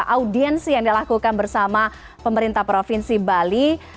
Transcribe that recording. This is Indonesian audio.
audiensi yang dilakukan bersama pemerintah provinsi bali